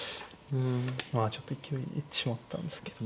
まあちょっと勢いで行ってしまったんですけど。